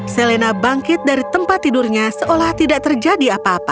selena bangkit dari tempat tidurnya seolah tidak terjadi apa apa